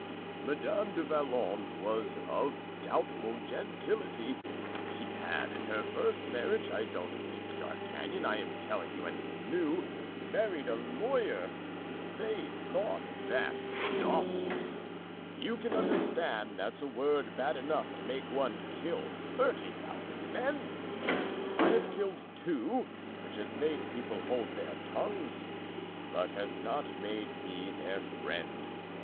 "Madame du Vallon was of doubtful gentility. She had, in her first marriage—I don't think, D'Artagnan, I am telling you anything new—married a lawyer; they thought that 'nauseous;' you can understand that's a word bad enough to make one kill thirty thousand men. I have killed two, which has made people hold their tongues, but has not made me their friend.